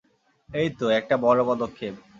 এইতো, একটা বড় পদক্ষেপ।